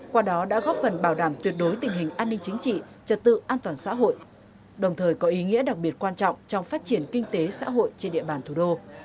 qua đó đã góp phần bảo đảm tuyệt đối tình hình an ninh chính trị trật tự an toàn xã hội đồng thời có ý nghĩa đặc biệt quan trọng trong phát triển kinh tế xã hội trên địa bàn thủ đô